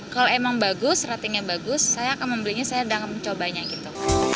kalau emang bagus ratingnya bagus saya akan membelinya saya sedang mencobanya gitu